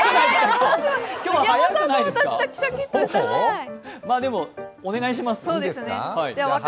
今日、早くないですか？